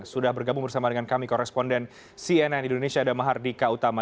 sudah bergabung bersama dengan kami koresponden cnn indonesia damahardika utama